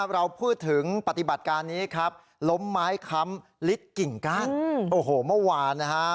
เราพูดถึงปฏิบัติการนี้ครับล้มไม้ค้ำลิดกิ่งก้านโอ้โหเมื่อวานนะฮะ